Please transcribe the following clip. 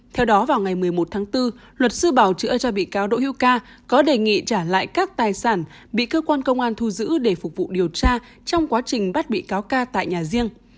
theo đó vào ngày một mươi một tháng bốn luật sư bảo chữa cho bị cáo đỗ hiu ca có đề nghị trả lại các tài sản bị cơ quan công an thu giữ để phục vụ điều tra trong quá trình bắt bị cáo ca tại nhà riêng